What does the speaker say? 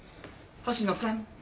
星野さん。